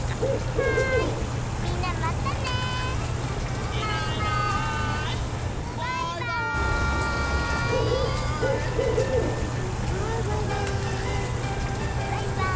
はいバイバイ。